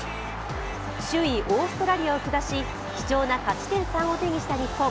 首位オーストラリアを下し、貴重な勝ち点３を手にした日本。